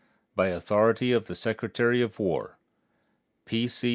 By authority of the Secretary of War: P. C.